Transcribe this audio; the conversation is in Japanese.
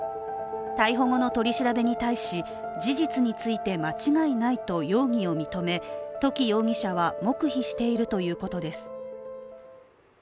逮捕後の取り調べに対し、事実について間違いないと容疑を認め土岐容疑者は、黙秘しているということです。